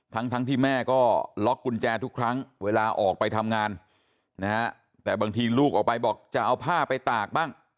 ทั้งที่แม่ก็ล็อกกุญแจทุกครั้งเวลาออกไปทำงานนะฮะแต่บางทีลูกออกไปบอกจะเอาผ้าไปตากบ้าง